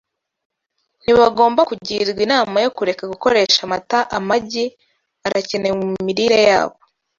ntibagomba kugirwa inama yo kureka gukoresha amata amagi arakenewe mu mirire yabo